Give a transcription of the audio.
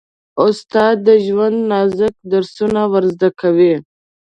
استاد د ژوند نازک درسونه ور زده کوي.